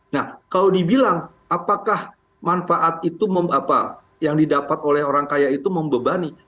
nah kalau dibilang apakah manfaat itu yang didapat oleh orang kaya itu membebani